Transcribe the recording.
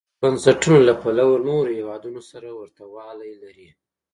د بنسټونو له پلوه نورو هېوادونو سره ورته والی لري.